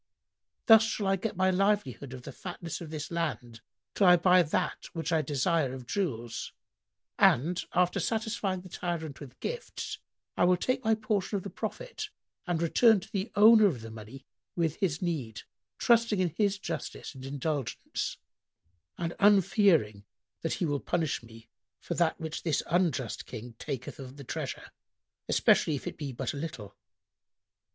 Thus shall I get my livelihood of the fatness of this land, till I buy that which I desire of jewels; and, after satisfying the tyrant with gifts, I will take my portion of the profit and return to the owner of the money with his need, trusting in his justice and indulgence, and unfearing that he will punish me for that which this unjust King taketh of the treasure, especially if it be but a little."